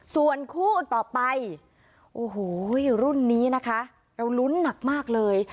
ส่วนคู่ต่อไปโอ้โหรุ่นนี้นะคะเราลุ้นหนักมากเลย